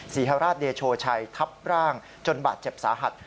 ศรีฮราชเดโชชัยทับร่างจนบาดเจ็บสาหัส